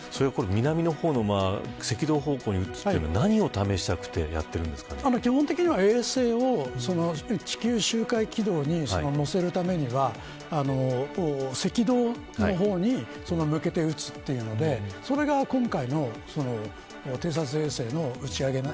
南の方の赤道方向に撃つというのは、何を試したくて基本的には衛星を地球周回軌道に乗せるためには赤道の方に向けて打つっていうのでそれが今回の偵察衛星の打ち上げ。